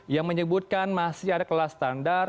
yang menyebutkan masih ada kelas standar